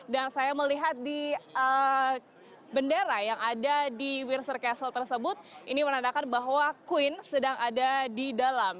dan saya melihat di bendera yang ada di windsor castle tersebut ini menandakan bahwa queen sedang ada di dalam